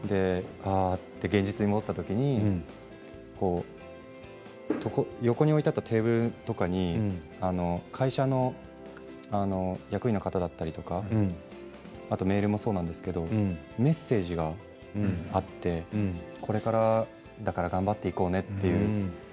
現実に戻ったときに横に置いてあったテーブルとかに会社の役員の方だったりメールもそうなんですけどメッセージがあってこれからだから頑張っていこうねと。